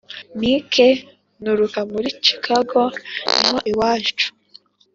mike: nturuka muri chicago. niho iwacu.